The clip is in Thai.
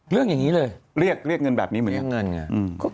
เลือกเงินแบบนี้เหมือนคัน